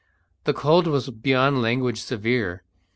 The cold was beyond language severe.